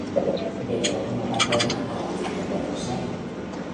Veneró como patrona a la Virgen del Rosario.